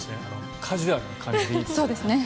カジュアルな感じで。